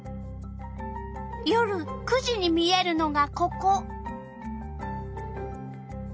夜９時に見えるのがここ。